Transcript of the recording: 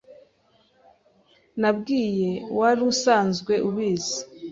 Nabwiye wari usanzwe ubizi.